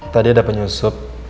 tadi ada penyusup